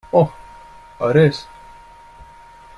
Oh, a res?